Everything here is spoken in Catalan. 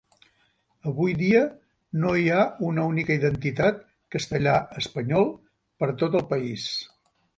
Avui dia, no hi ha una única identitat castellà-espanyol per a tot el país.